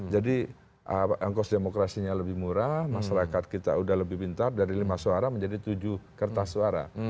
jadi angkos demokrasinya lebih murah masyarakat kita udah lebih pintar dari lima suara menjadi tujuh kertas suara